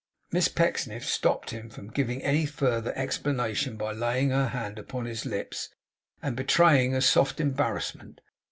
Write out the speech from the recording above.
Miss Pecksniff stopped him from giving any further explanation by laying her hand upon his lips, and betraying a soft embarrassment.